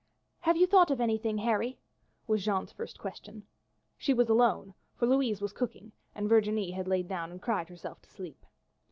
"Have you thought of anything, Harry?" was Jeanne's first question. She was alone, for Louise was cooking, and Virginie had lain down and cried herself to sleep.